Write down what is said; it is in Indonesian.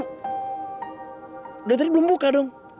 udah tadi belum buka dong